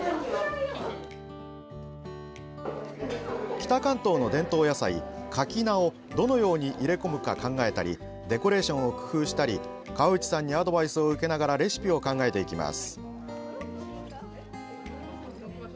北関東の伝統野菜かき菜をどのように入れ込むか考えたりデコレーションを工夫したり河内さんにアドバイスを受けながらレシピを考えていきます。